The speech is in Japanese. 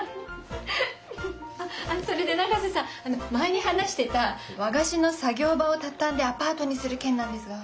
あっそれで永瀬さん前に話してた和菓子の作業場をたたんでアパートにする件なんですが。